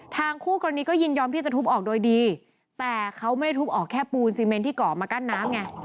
คู่กรณีก็ยินยอมที่จะทุบออกโดยดีแต่เขาไม่ได้ทุบออกแค่ปูนซีเมนที่เกาะมากั้นน้ำไง